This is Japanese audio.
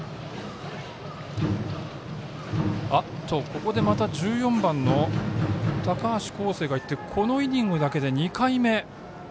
ここでまた１４番の高橋巧成が行ってこのイニングだけで２回目。